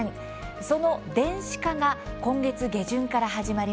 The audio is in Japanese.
その電子化が今月下旬から始まります。